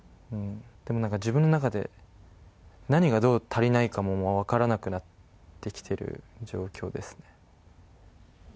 でもなんか、自分の中で何がどう足りないかももう分からなくなってきてる状況